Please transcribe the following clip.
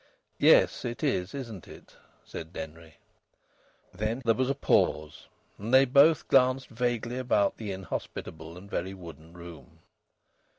"Yes, it is, isn't it?" said Denry. Then there was a pause, and they both glanced vaguely about the inhospitable and very wooden room.